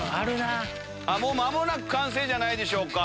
もう間もなく完成じゃないでしょうか。